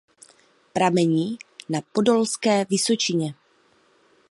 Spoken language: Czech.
Pramení na Podolské vysočině.